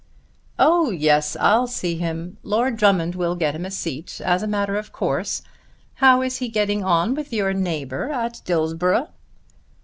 "Oh yes, I'll see him. Lord Drummond will get him a seat as a matter of course. How is he getting on with your neighbour at Dillsborough?"